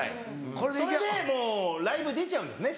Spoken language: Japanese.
それでもうライブ出ちゃうんですね